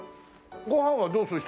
ご飯はどうする？